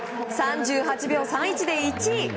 ３８秒３１で１位！